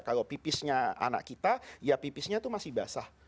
kalau pipisnya anak kita ya pipisnya itu masih basah